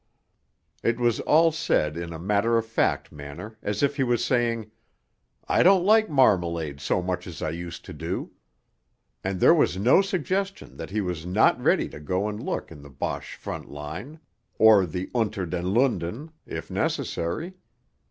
It was all said in a matter of fact manner, as if he was saying, 'I don't like marmalade so much as I used to do,' and there was no suggestion that he was not ready to go and look in the Boche Front Line or the Unter den Linden, if necessary.